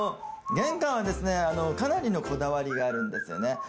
玄関はですね、かなりのこだわりがあるんですよね。